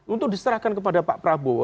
untuk diserahkan kepada pak prabowo